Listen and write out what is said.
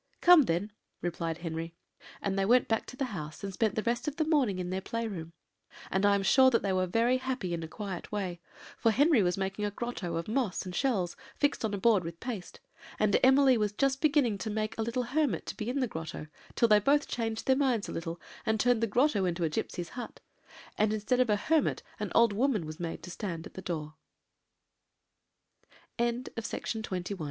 "Come, then," replied Henry. And they went back to the house and spent the rest of the morning in their play room: and I am sure that they were very happy in a quiet way, for Henry was making a grotto of moss and shells, fixed on a board with paste; and Emily was just beginning to make a little hermit to be in the grotto, till they both changed their minds a little, and turned the grotto into a gipsy's hut, and instead of a hermit